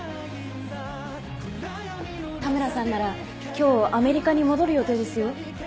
田村さんなら今日アメリカに戻る予定ですよ。